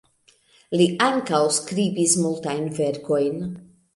Li ankaŭ skribis multajn verkojn.